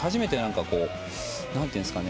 何ていうんですかね。